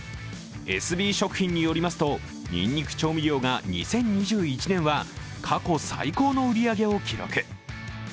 ＳＢ食品によりますとにんにく調味料が２０２１年は過去最高の売り上げを記録。